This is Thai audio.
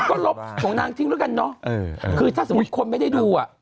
ก็ลบของนางทิ้งแล้วกันเนอะคือถ้าสมมุติคนไม่ได้ดูอ่ะ